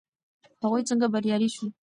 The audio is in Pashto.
هغوی څنګه بریالي شول.